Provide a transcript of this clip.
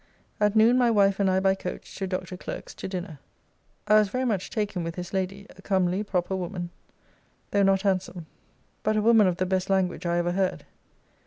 At noon my wife and I by coach to Dr. Clerke's to dinner: I was very much taken with his lady, a comely, proper woman, though not handsome; but a woman of the best language I ever heard.